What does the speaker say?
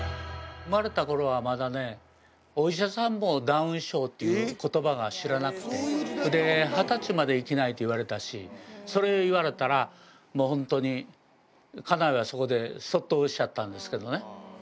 生まれたころはまだね、お医者さんもダウン症っていうことばが知らなくて、それで２０歳まで生きないと言われたし、それ言われたら、もう本当に、家内はそこで卒倒しちゃったんですけどね。